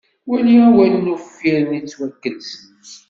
Wali awalen uffiren yettwakelsen.